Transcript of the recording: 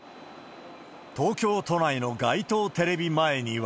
東京都内の街頭テレビ前には。